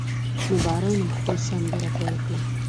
نو باران هم خپل سندره پیل کړه.